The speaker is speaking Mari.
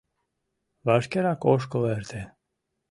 — Вашкерак ошкыл эрте.